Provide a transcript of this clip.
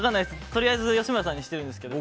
とりあえず吉村さんにしてるんですけど。